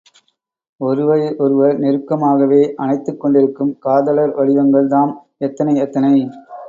ஒருவரை ஒருவர் நெருக்கமாகவே அணைத்துக் கொண்டிருக்கும் காதலர் வடிவங்கள் தாம் எத்தனை எத்தனை?